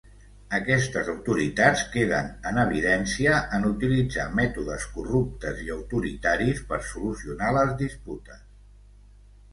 Aquestes autoritats queden en evidència en utilitzar mètodes corruptes i autoritaris per solucionar les disputes.